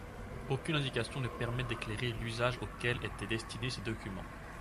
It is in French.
Aucune indication ne permet d'éclairer l'usage auquel étaient destinés ces documents.